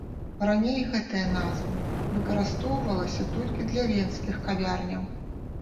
Раней гэтая назва выкарыстоўвалася толькі для венскіх кавярняў.